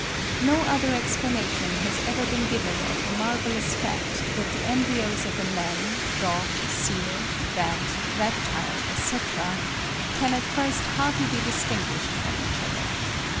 No other explanation has ever been given of the marvellous fact that the embryos of a man, dog, seal, bat, reptile, etc., can at first hardly be distinguished from each other.